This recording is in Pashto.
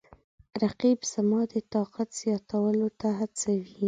رقیب زما د طاقت زیاتولو ته هڅوي